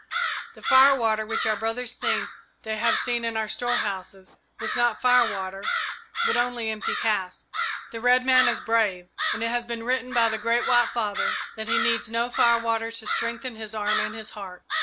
"The firewater which our brothers think they have seen in our storehouses was not firewater, but only empty casks. The red man is brave, and it has been written by the Great White Father that he needs no firewater to strengthen his arm and his heart.